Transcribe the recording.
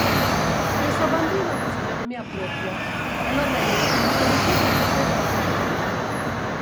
Questo bambino ha una fisionomia propria, che lo rende riconoscibile rispetto ad altri bambini.